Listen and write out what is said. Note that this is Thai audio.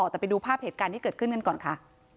แต่ไปดูภาพเหตุการณ์ที่เกิดขึ้นกันก่อนค่ะ